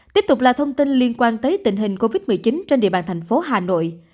tiếp tục là thông tin liên quan tới tình hình covid một mươi chín trên địa bàn thành phố hà nội